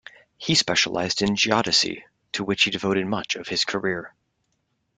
He specialized in geodesy, to which he devoted much of his career.